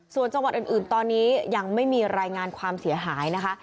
ส่วนจังหวัดอื่นตอนนี้ยังไม่มีรายงานความเสียหายนะคะ